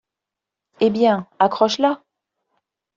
Eh bien, accroche-la.